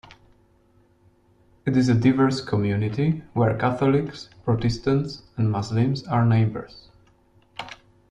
It is a diverse community, where Catholics, Protestants, and Muslims are neighbors.